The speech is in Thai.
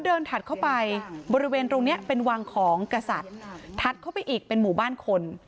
ถัดเข้าไปบริเวณตรงนี้เป็นวังของกษัตริย์ถัดเข้าไปอีกเป็นหมู่บ้านคน